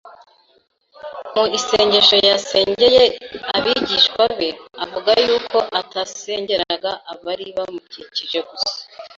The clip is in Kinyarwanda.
Mu isengesho yasengeye abigishwa be, avuga y’uko atasengeraga abari bamukikije gusa